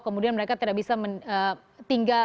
kemudian mereka tidak bisa tinggal